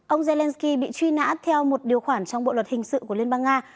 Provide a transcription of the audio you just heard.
ông zelensky bị truy nã theo một điều khoản trong bộ luật hình sự của liên bang nga